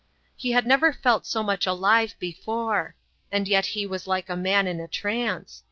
He had never felt so much alive before; and yet he was like a man in a trance.